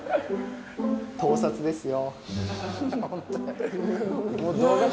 盗撮ですよ。